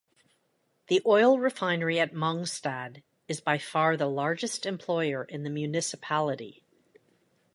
The oil refinery at Mongstad is by far the largest employer in the municipality.